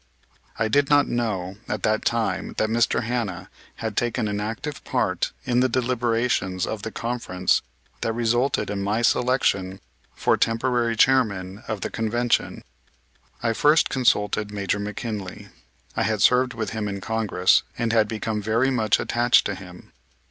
I did not know at that time that Mr. Hanna had taken an active part in the deliberations of the conference that resulted in my selection for temporary chairman of the Convention. I first consulted Major McKinley. I had served with him in Congress and had become very much attached to him.